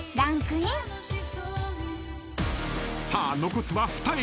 ［さあ残すは２駅］